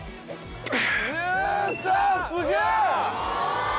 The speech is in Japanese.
すげえ！